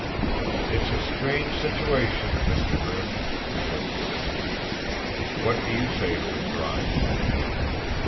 "It's a strange situation, Mr. Grimm," he said evenly. "What do you say to withdrawing?"